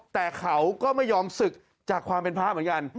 แต่เขาก็ไม่ยอมศึกจากความเป็นพระเหมือนกัน